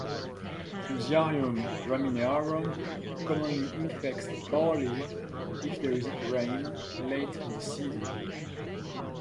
"Fusarium graminearum" commonly infects barley if there is rain late in the season.